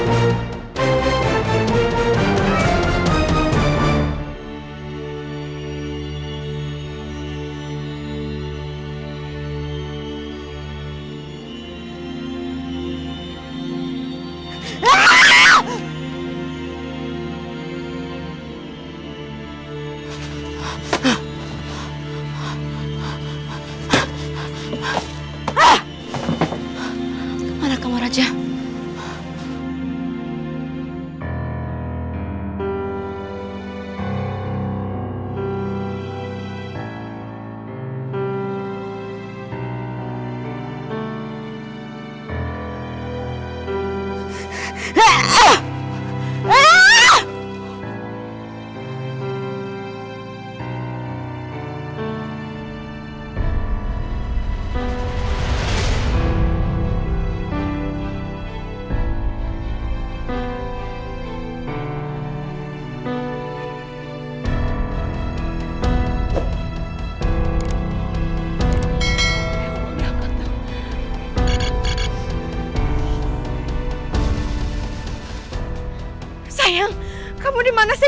sayang kamu dimana sih